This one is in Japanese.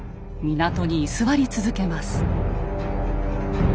港に居座り続けます。